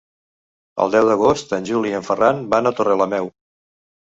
El deu d'agost en Juli i en Ferran van a Torrelameu.